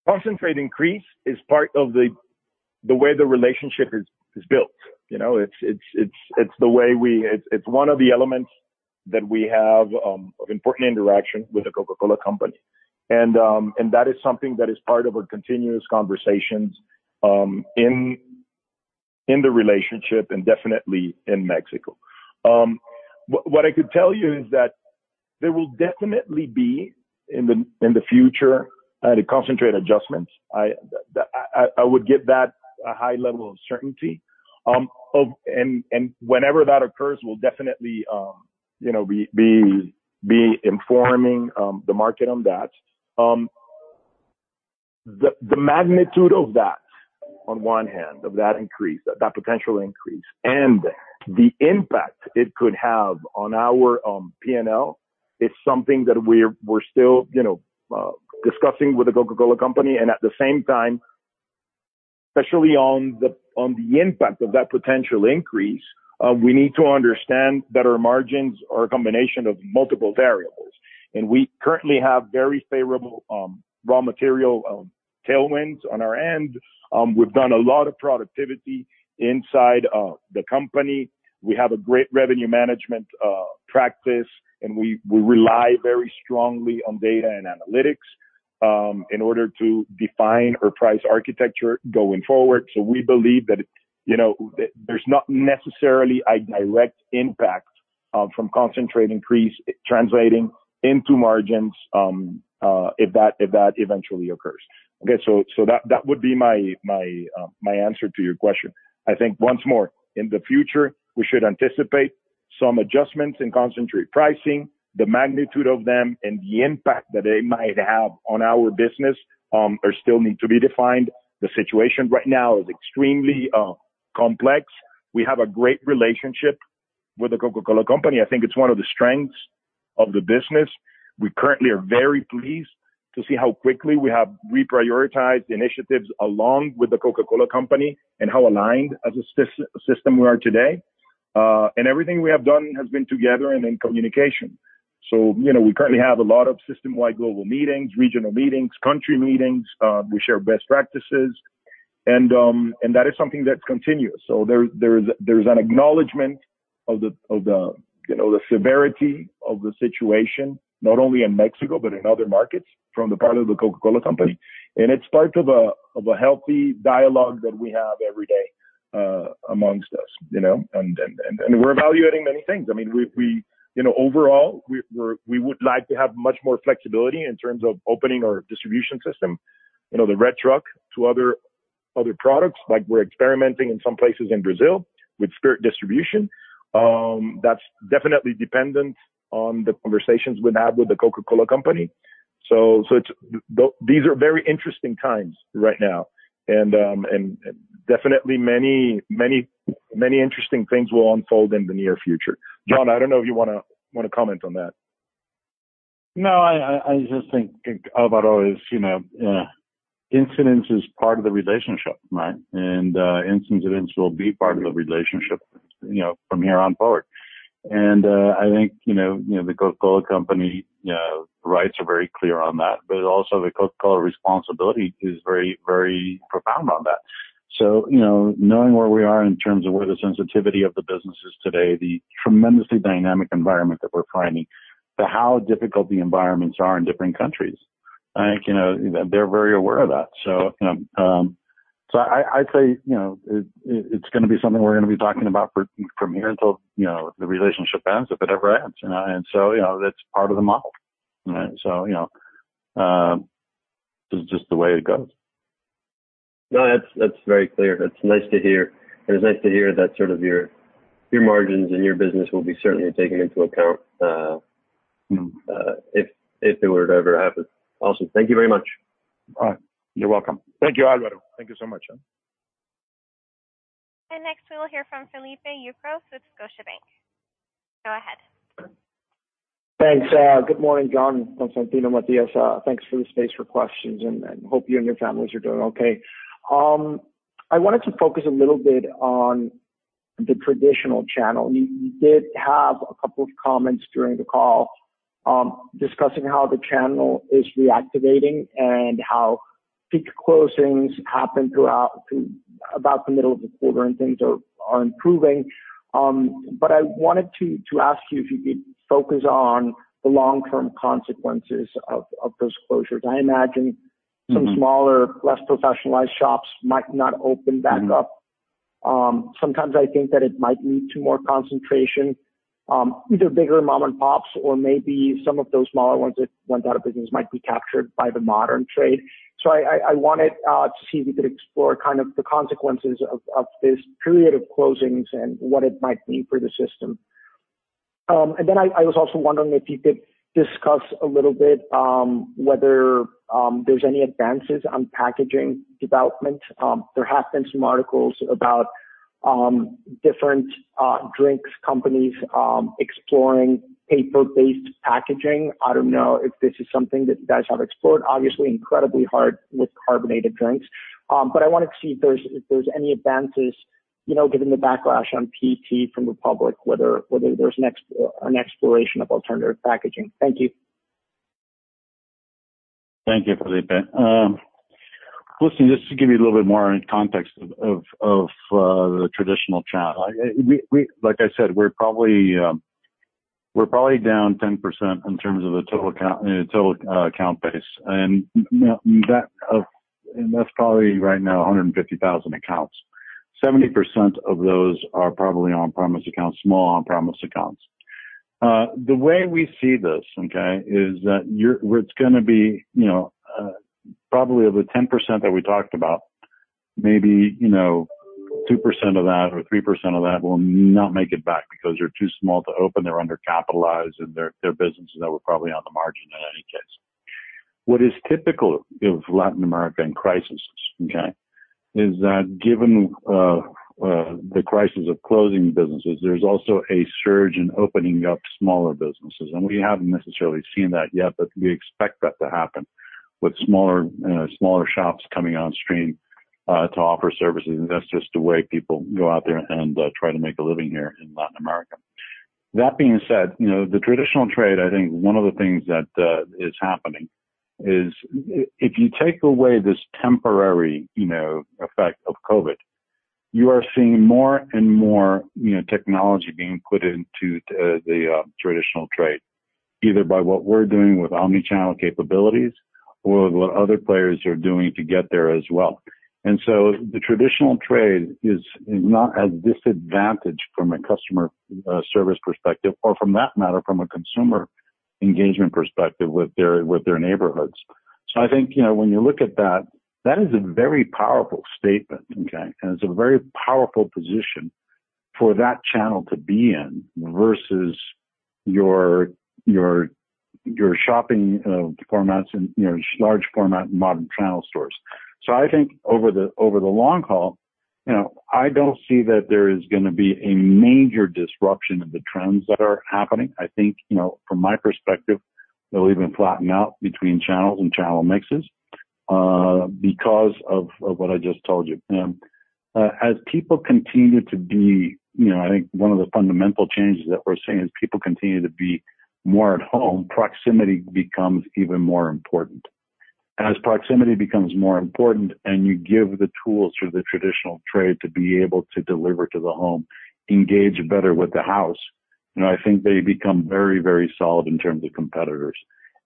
concentrate increase is part of the way the relationship is built. You know, it's the way we-- it's one of the elements that we have of important interaction with the Coca-Cola Company. And that is something that is part of our continuous conversations in the relationship and definitely in Mexico. What I could tell you is that there will definitely be in the future the concentrate adjustments. I would give that a high level of certainty. And whenever that occurs, we'll definitely, you know, be informing the market on that. The magnitude of that, on one hand, of that increase, that potential increase, and the impact it could have on our PNL is something that we're still you know discussing with The Coca-Cola Company, and at the same time, especially on the impact of that potential increase, we need to understand that our margins are a combination of multiple variables, and we currently have very favorable raw material tailwinds on our end. We've done a lot of productivity inside the company. We have a great revenue management practice, and we rely very strongly on data and analytics in order to define our price architecture going forward, so we believe that you know there's not necessarily a direct impact from concentrate increase translating into margins if that eventually occurs. Okay, so that would be my answer to your question. I think once more, in the future, we should anticipate some adjustments in concentrate pricing, the magnitude of them, and the impact that they might have on our business, are still need to be defined. The situation right now is extremely complex. We have a great relationship with The Coca-Cola Company. I think it's one of the strengths of the business. We currently are very pleased to see how quickly we have reprioritized initiatives along with The Coca-Cola Company, and how aligned as a system we are today. And everything we have done has been together and in communication. So, you know, we currently have a lot of system-wide global meetings, regional meetings, country meetings. We share best practices, and that is something that's continuous. So there is an acknowledgement of the you know the severity of the situation, not only in Mexico, but in other markets from the part of The Coca-Cola Company. And it's part of a healthy dialogue that we have every day amongst us, you know, and we're evaluating many things. I mean, you know, overall, we're we would like to have much more flexibility in terms of opening our distribution system, you know, the red truck to other products. Like, we're experimenting in some places in Brazil with spirit distribution. That's definitely dependent on the conversations we've had with The Coca-Cola Company. So it's these are very interesting times right now, and definitely many interesting things will unfold in the near future. John, I don't know if you wanna comment on that. No, I just think, Álvaro, you know, incidence is part of the relationship, right? And incidents will be part of the relationship, you know, from here on forward. And I think, you know, The Coca-Cola Company rights are very clear on that, but also the Coca-Cola responsibility is very, very profound on that. So, you know, knowing where we are in terms of where the sensitivity of the business is today, the tremendously dynamic environment that we're finding, to how difficult the environments are in different countries, I think, you know, they're very aware of that. So, so I, I'd say, you know, it's gonna be something we're gonna be talking about from here until, you know, the relationship ends, if it ever ends. You know, and so, you know, that's part of the model, right? So, you know, this is just the way it goes. No, that's, that's very clear. It's nice to hear, and it's nice to hear that sort of your, your margins and your business will be certainly taken into account. Mm-hmm... if it were to ever happen. Awesome. Thank you very much. You're welcome. Thank you, Álvaro. Thank you so much. Next, we will hear from Felipe Ucros with Scotiabank. Go ahead. Thanks. Good morning, John, Constantino, Matias. Thanks for the space for questions, and hope you and your families are doing okay. I wanted to focus a little bit on the traditional channel. You did have a couple of comments during the call, discussing how the channel is reactivating and how peak closings happened throughout, about the middle of the quarter, and things are improving. But I wanted to ask you if you could focus on the long-term consequences of those closures. I imagine- Mm-hmm... some smaller, less professionalized shops might not open back up. Mm-hmm. Sometimes I think that it might lead to more concentration, either bigger mom-and-pops or maybe some of those smaller ones that went out of business might be captured by the modern trade. So I wanted to see if you could explore kind of the consequences of this period of closings and what it might mean for the system. And then I was also wondering if you could discuss a little bit whether there's any advances on packaging development. There have been some articles about different drinks companies exploring paper-based packaging. I don't know if this is something that you guys have explored. Obviously, incredibly hard with carbonated drinks, but I wanted to see if there's any advances, you know, given the backlash on PET from the public, whether there's an exploration of alternative packaging? Thank you. Thank you, Felipe. Listen, just to give you a little bit more context of the traditional channel. Like I said, we're probably down 10% in terms of the total count base, and you know, that's probably right now 150,000 accounts. Seventy percent of those are probably on-premise accounts, small on-premise accounts. The way we see this, okay, is that, well, it's gonna be, you know, probably of the 10% that we talked about, maybe, you know, 2% of that or 3% of that will not make it back because they're too small to open, they're undercapitalized, and they're businesses that were probably on the margin in any case. What is typical of Latin America in crisis, okay, is that given, the crisis of closing businesses, there's also a surge in opening up smaller businesses. And we haven't necessarily seen that yet, but we expect that to happen with smaller, smaller shops coming on stream, to offer services, and that's just the way people go out there and, try to make a living here in Latin America. That being said, you know, the traditional trade, I think one of the things that, is happening is if you take away this temporary, you know, effect of COVID, you are seeing more and more, you know, technology being put into, the, traditional trade, either by what we're doing with omni-channel capabilities or what other players are doing to get there as well. And so the traditional trade is not at disadvantage from a customer service perspective, or from that matter, from a consumer engagement perspective with their neighborhoods. So I think, you know, when you look at that, that is a very powerful statement, okay? And it's a very powerful position for that channel to be in versus your shopping formats and, you know, large format, modern channel stores. So I think over the long haul, you know, I don't see that there is gonna be a major disruption of the trends that are happening. I think, you know, from my perspective, they'll even flatten out between channels and channel mixes because of what I just told you. As people continue to be... You know, I think one of the fundamental changes that we're seeing is people continue to be more at home, proximity becomes even more important. As proximity becomes more important and you give the tools for the traditional trade to be able to deliver to the home, engage better with the house, you know, I think they become very, very solid in terms of competitors,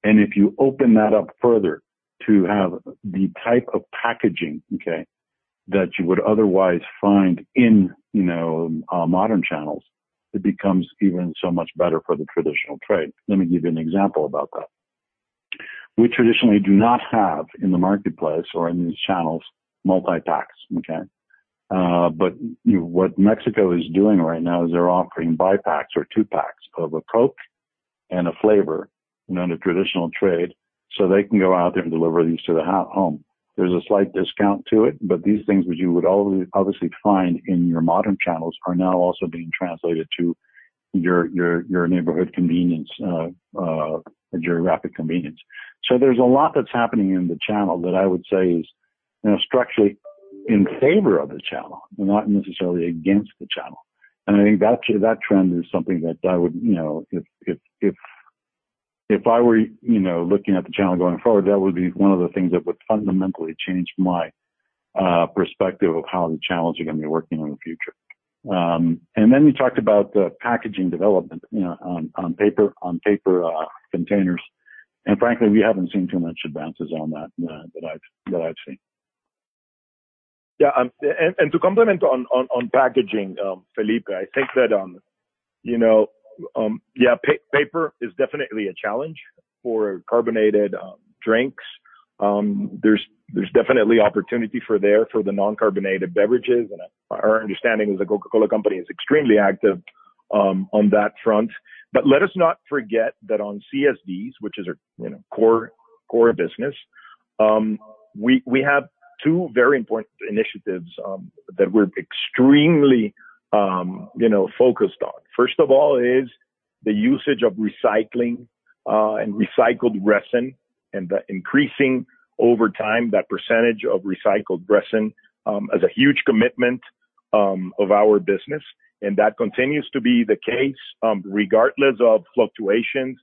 and if you open that up further to have the type of packaging, okay, that you would otherwise find in, you know, modern channels, it becomes even so much better for the traditional trade. Let me give you an example about that. We traditionally do not have, in the marketplace or in these channels, multi-packs, okay? But, you know, what Mexico is doing right now is they're offering bi-packs or two-packs of a Coke and a flavor, you know, in the traditional trade, so they can go out there and deliver these to the home. There's a slight discount to it, but these things which you would always obviously find in your modern channels are now also being translated to your neighborhood convenience, your rapid convenience. So there's a lot that's happening in the channel that I would say is, you know, structurally in favor of the channel, and not necessarily against the channel. I think that trend is something that I would, you know, if I were, you know, looking at the channel going forward, that would be one of the things that would fundamentally change my perspective of how the channels are gonna be working in the future. And then you talked about the packaging development, you know, on paper containers. And frankly, we haven't seen too much advances on that that I've seen. Yeah, and to complement on packaging, Felipe, I think that, you know, yeah, paper is definitely a challenge for carbonated drinks. There's definitely opportunity there for the non-carbonated beverages, and our understanding is The Coca-Cola Company is extremely active on that front. But let us not forget that on CSDs, which is our, you know, core business, we have two very important initiatives that we're extremely, you know, focused on. First of all, is the usage of recycling and recycled resin, and the increasing over time that percentage of recycled resin as a huge commitment of our business, and that continues to be the case regardless of fluctuations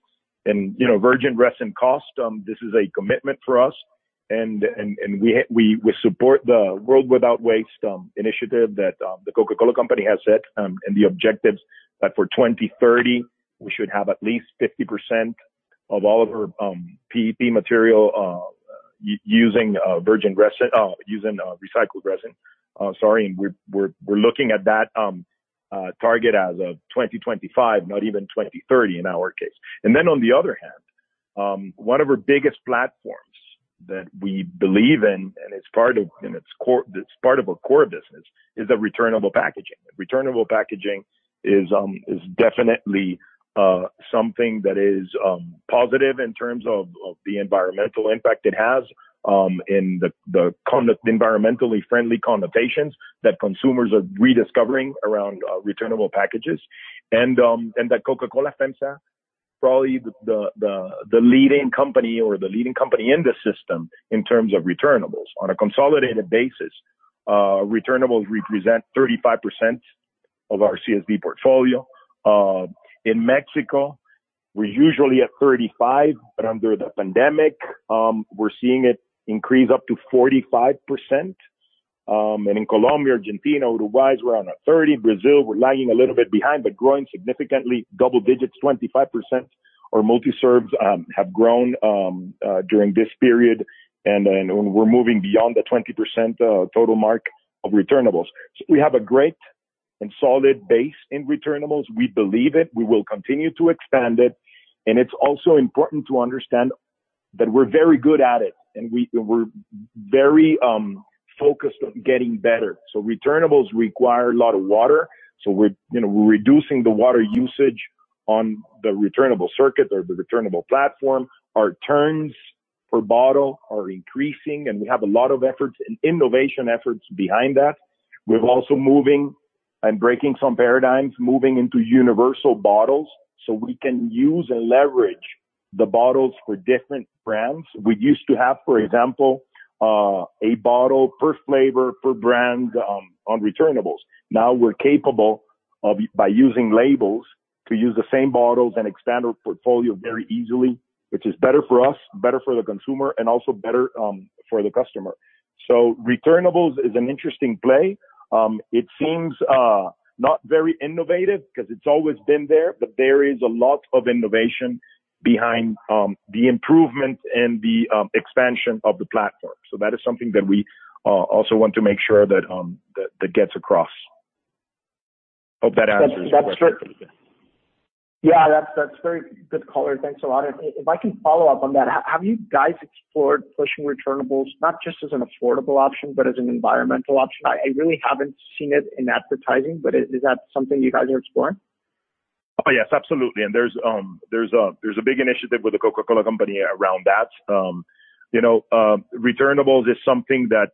and, you know, virgin resin cost. This is a commitment for us. We support the World Without Waste initiative that The Coca-Cola Company has set, and the objectives that for 2030, we should have at least 50% of all of our PET material using virgin resin - using recycled resin. Sorry, and we're looking at that target as of 2025, not even 2030, in our case. Then on the other hand, one of our biggest platforms that we believe in, and it's part of our core business, is the returnable packaging. Returnable packaging is definitely something that is positive in terms of the environmental impact it has, and the environmentally friendly connotations that consumers are rediscovering around returnable packages. That Coca-Cola FEMSA is probably the leading company in the system in terms of returnables. On a consolidated basis, returnables represent 35% of our CSD portfolio. In Mexico, we're usually at 35%, but under the pandemic, we're seeing it increase up to 45%. In Colombia, Argentina, Uruguay, we're around at 30%. Brazil, we're lagging a little bit behind, but growing significantly, double digits, 25%. Our multi-serves have grown during this period, and then we're moving beyond the 20% total mark of returnables. So we have a great and solid base in returnables. We believe it. We will continue to expand it, and it's also important to understand that we're very good at it, and we're very focused on getting better. So returnables require a lot of water, so we're, you know, we're reducing the water usage on the returnable circuit or the returnable platform. Our turns per bottle are increasing, and we have a lot of efforts and innovation efforts behind that. We're also moving and breaking some paradigms, moving into universal bottles, so we can use and leverage the bottles for different brands. We used to have, for example, a bottle per flavor, per brand, on returnables. Now we're capable of, by using labels, to use the same bottles and expand our portfolio very easily, which is better for us, better for the consumer and also better for the customer. So returnables is an interesting play. It seems not very innovative because it's always been there, but there is a lot of innovation behind the improvement and the expansion of the platform. So that is something that we also want to make sure that gets across. Hope that answers your question. That's true. Yeah, that's very good color. Thanks a lot. If I can follow up on that, have you guys explored pushing returnables, not just as an affordable option, but as an environmental option? I really haven't seen it in advertising, but is that something you guys are exploring? Oh, yes, absolutely. And there's a big initiative with the Coca-Cola Company around that. You know, returnables is something that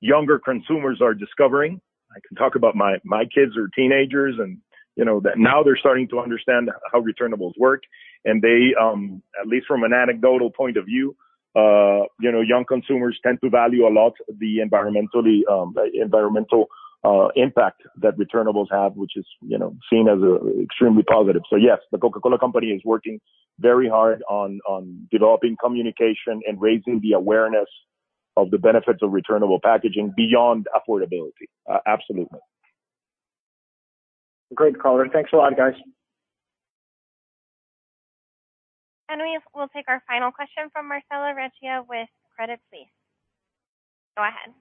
younger consumers are discovering. I can talk about my kids are teenagers and, you know, that now they're starting to understand how returnables work, and they, at least from an anecdotal point of view, you know, young consumers tend to value a lot the environmental impact that returnables have, which is, you know, seen as extremely positive. So yes, the Coca-Cola Company is working very hard on developing communication and raising the awareness of the benefits of returnable packaging beyond affordability. Absolutely. Great color. Thanks a lot, guys. And we will take our final question from Marcella Recchia with Credit Suisse. Go ahead.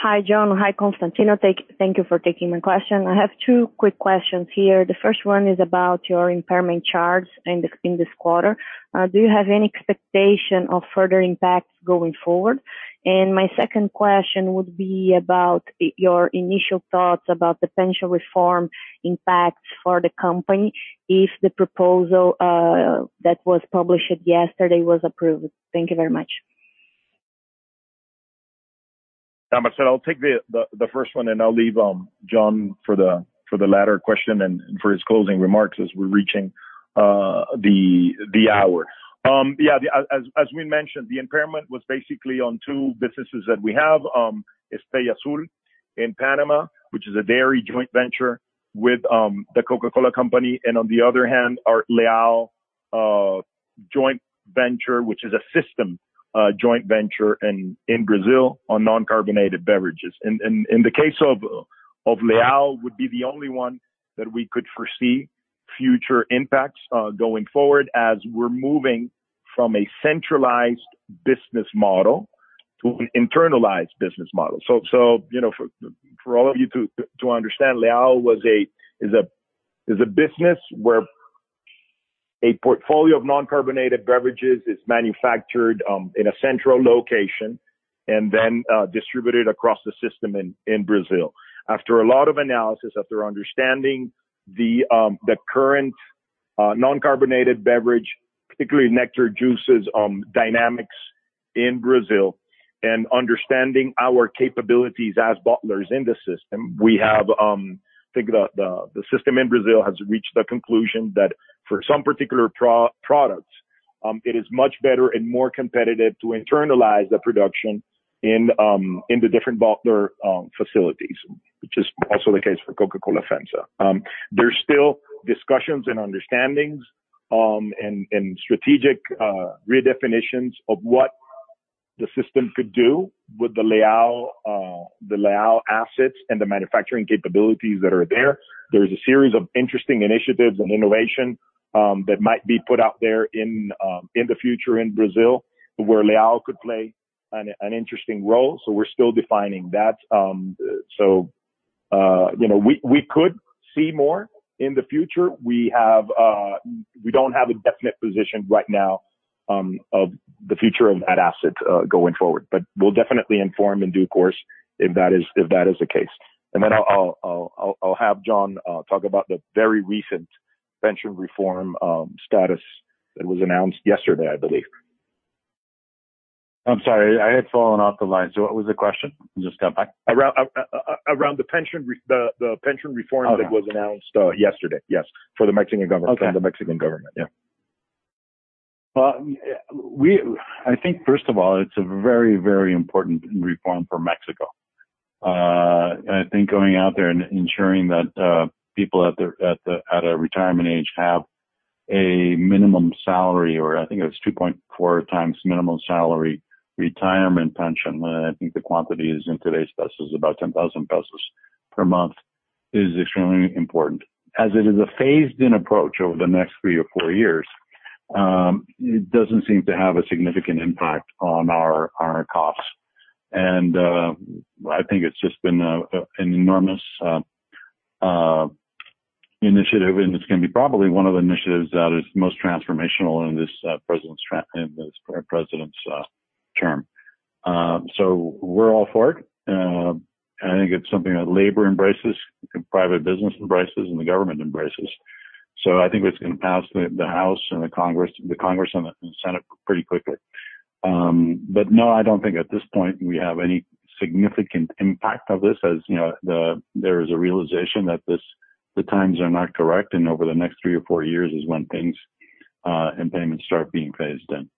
Hi, John. Hi, Constantino. Thank you for taking my question. I have two quick questions here. The first one is about your impairment charges in this quarter. Do you have any expectation of further impacts going forward? And my second question would be about your initial thoughts about the pension reform impact for the company, if the proposal that was published yesterday was approved. Thank you very much. Marcella, I'll take the first one, and I'll leave John for the latter question and for his closing remarks as we're reaching the hour. Yeah, as we mentioned, the impairment was basically on two businesses that we have, Estrella Azul in Panama, which is a dairy joint venture with the Coca-Cola Company, and on the other hand, our Leão joint venture, which is a system joint venture in Brazil on non-carbonated beverages. In the case of Leão, would be the only one that we could foresee future impacts going forward, as we're moving from a centralized business model to an internalized business model. You know, for all of you to understand, Leão is a business where a portfolio of non-carbonated beverages is manufactured in a central location and then distributed across the system in Brazil. After a lot of analysis, after understanding the current non-carbonated beverage, particularly nectar juices, dynamics in Brazil, and understanding our capabilities as bottlers in the system, we have, I think the system in Brazil has reached the conclusion that for some particular products, it is much better and more competitive to internalize the production in the different bottler facilities, which is also the case for Coca-Cola FEMSA. There's still discussions and understandings, and strategic redefinitions of what the system could do with the Leão assets and the manufacturing capabilities that are there. There is a series of interesting initiatives and innovation that might be put out there in the future in Brazil, where Leão could play an interesting role. So we're still defining that. You know, we could see more in the future. We don't have a definite position right now of the future of that asset going forward. But we'll definitely inform in due course if that is the case. And then I'll have John talk about the very recent pension reform status that was announced yesterday, I believe. I'm sorry. I had fallen off the line. So what was the question? Just come back. Around the pension reform- Okay. -that was announced yesterday. Yes, for the Mexican government. Okay. For the Mexican government, yeah. I think first of all, it's a very, very important reform for Mexico. I think going out there and ensuring that people at a retirement age have a minimum salary, or I think it's 2.4 times minimum salary, retirement pension, and I think the quantity is in today's pesos, about 10,000 pesos per month, is extremely important. As it is a phased-in approach over the next three or four years, it doesn't seem to have a significant impact on our costs. I think it's just been an enormous initiative, and it's gonna be probably one of the initiatives that is most transformational in this president's term. So we're all for it. I think it's something that labor embraces, private business embraces, and the government embraces. So I think it's gonna pass the House and the Congress and the Senate pretty quickly. But no, I don't think at this point, we have any significant impact of this. As you know, there is a realization that this, the times are not correct, and over the next three or four years is when things and payments start being phased in.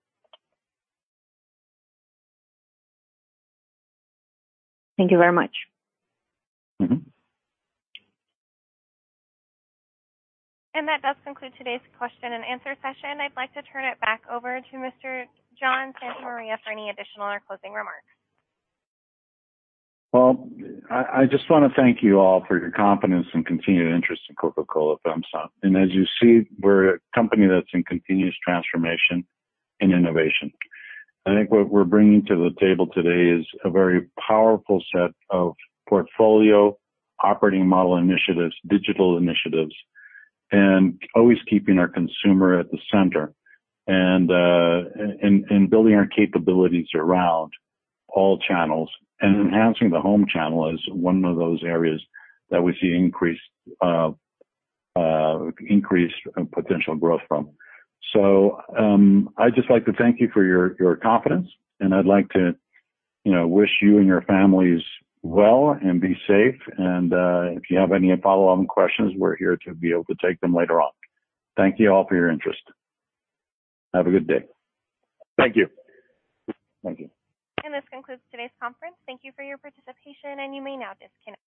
Thank you very much. Mm-hmm. That does conclude today's question and answer session. I'd like to turn it back over to Mr. John Santa Maria for any additional or closing remarks. I just wanna thank you all for your confidence and continued interest in Coca-Cola FEMSA. As you see, we're a company that's in continuous transformation and innovation. I think what we're bringing to the table today is a very powerful set of portfolio, operating model initiatives, digital initiatives, and always keeping our consumer at the center, and building our capabilities around all channels. Enhancing the home channel is one of those areas that we see increased potential growth from. I'd just like to thank you for your confidence, and I'd like to, you know, wish you and your families well, and be safe. If you have any follow-up questions, we're here to be able to take them later on. Thank you all for your interest. Have a good day. Thank you. Thank you. This concludes today's conference. Thank you for your participation, and you may now disconnect.